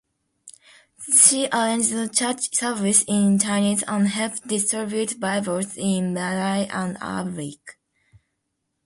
She arranged church services in Chinese and helped distribute bibles in Malay and Arabic.